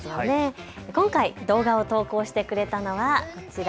今回動画を投稿してくれたのはこちら